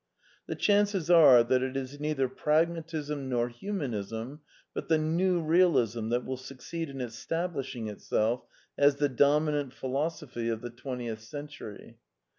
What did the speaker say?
The chances are that it is THE NEW EEALISM 168 neither Pragmatism nor Humanism, but the New Realism that will succeed in establishing itself as the dominant philospphy of the twentieth century.